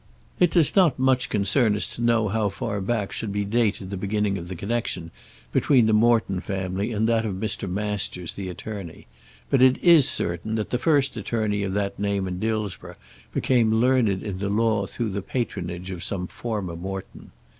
It does not much concern us to know how far back should be dated the beginning of the connection between the Morton family and that of Mr. Masters, the attorney; but it is certain that the first attorney of that name in Dillsborough became learned in the law through the patronage of some former Morton.